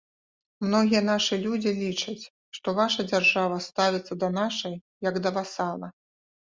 Многія нашы людзі лічаць, што ваша дзяржава ставіцца да нашай як да васала.